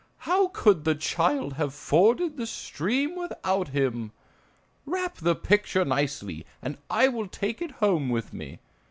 How could the child have forded the stream without him? Wrap the picture nicely, and I will take it home with me.